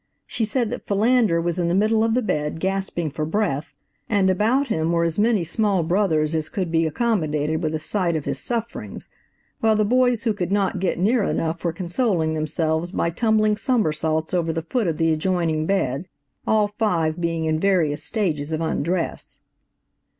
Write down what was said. She said that Philander was in the middle of the bed gasping for breath, and about him were as many small brothers as could be accommodated with a sight of his sufferings, while the boys who could not get near enough were consoling themselves by tumbling somersaults over the foot of the adjoining bed, all five being in various stages of undress.